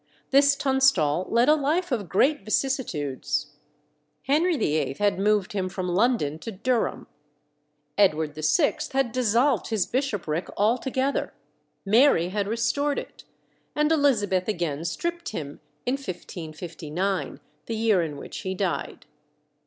This Tunstall led a life of great vicissitudes. Henry VIII. had moved him from London to Durham; Edward VI. had dissolved his bishopric altogether; Mary had restored it; and Elizabeth again stripped him in 1559, the year in which he died.